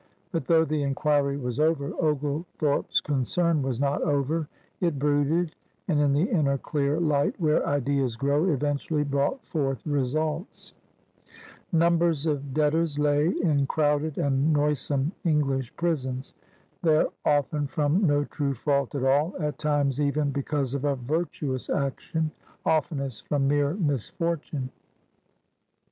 But though the inquiry was over, Oglethorpe's concern was not over. It brooded, and, in the inner clear light where ideas grow, eventually brought forth results. r/. A ^^^*^ trr Mimti ' t^ ^.^^^..^ ^^h— ^^ GEORGIA 2S7 Numbers of debtors lay in crowded and noisome English prisons, there often from no true fault at all, at times even because of a virtuous action, of tenest from mere misf ortime.